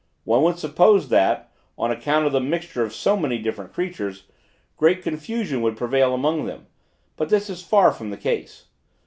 One would suppose, that, on account of the mixture of so many different creatures, great confusion would prevail among them: but this is far from the case.